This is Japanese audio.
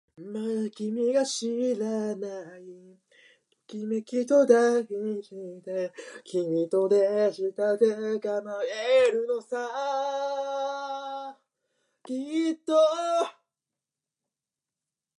大阪市・舞洲の球団施設